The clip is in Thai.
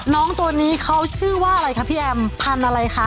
น้องตัวนี้เขาชื่อว่าอะไรคะพี่แอมพันธุ์อะไรคะ